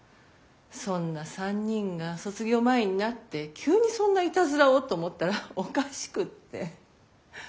そんな３人が卒業前になって急にそんなイタズラをと思ったらおかしくって。